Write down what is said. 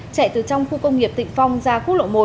chạy từ trong khu công nghiệp tịnh phong ra quốc lộ một